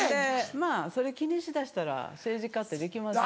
まぁそれ気にしだしたら政治家ってできません。